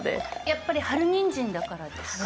やっぱり春にんじんだからですか？